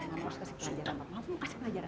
maka kita harus kasih pelajaran mau kasih pelajaran